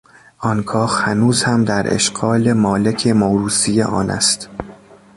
آن کاخ هنوز هم در اشغال مالک موروثی آن است.